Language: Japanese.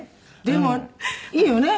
でもいいよね？